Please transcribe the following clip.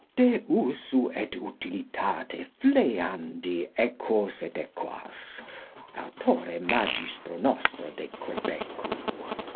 De usu et utilitate flayandi equos et equas, authore Magistro nostro de Quebecu.